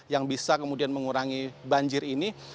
yang bisa kemudian mengurangi banjir ini